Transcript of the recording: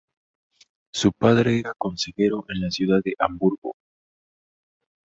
Su padre era consejero en la ciudad de Hamburgo.